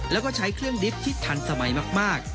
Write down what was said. แล้วก็ใช้เครื่องดิบที่ทันสมัยมาก